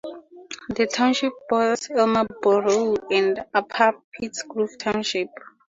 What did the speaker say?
The township borders Elmer Borough and Upper Pittsgrove Township.